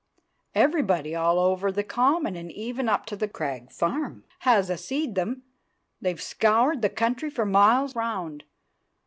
Everybody all over the Common and even up to the Crag Farm has a seed them, they've scoured the county for miles round.